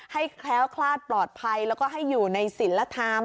แคล้วคลาดปลอดภัยแล้วก็ให้อยู่ในศิลธรรม